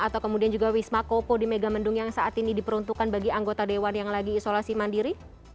atau kemudian juga wisma kopo di megamendung yang saat ini diperuntukkan bagi anggota dewan yang lagi isolasi mandiri